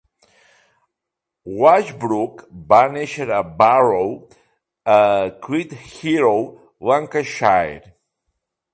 Washbrook va néixer a Barrow, Clitheroe (Lancashire).